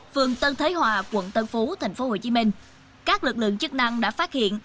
phường tân thế hòa quận tân phú tp hcm các lực lượng chức năng đã phát hiện